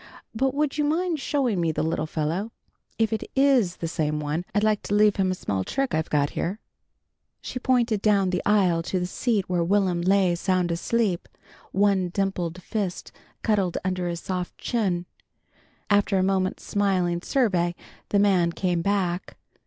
"But would you mind showing me the little fellow? If it is the same one, I'd like to leave him a small trick I've got here." She pointed down the aisle to the seat where Will'm lay sound asleep, one dimpled fist cuddled under his soft chin. After a moment's smiling survey the man came back.